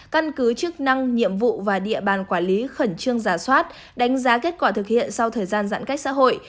căn cứ chức năng nhiệm vụ và địa bàn quản lý khẩn trương giả soát đánh giá kết quả thực hiện sau thời gian giãn cách xã hội